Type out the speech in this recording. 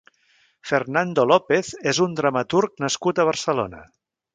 Fernando López és un dramaturg nascut a Barcelona.